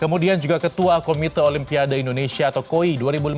kemudian juga pemilu pemita olimpiade indonesia atau koi dua ribu lima belas dua ribu sembilan belas